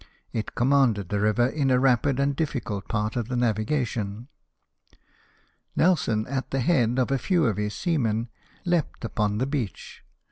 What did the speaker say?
It commanded the river in a rapid and difficult part of the navigation. Nelson, at the head of a few of his seamen, leaped upon the beach.